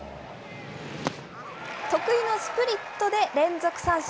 得意のスプリットで連続三振。